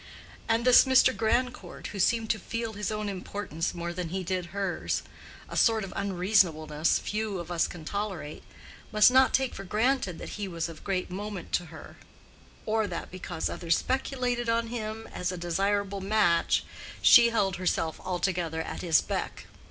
And this Mr. Grandcourt, who seemed to feel his own importance more than he did hers—a sort of unreasonableness few of us can tolerate—must not take for granted that he was of great moment to her, or that because others speculated on him as a desirable match she held herself altogether at his beck.